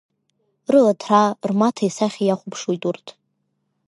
Рыла ҭраа рмаҭа исахьа иахәаԥшуеит урҭ.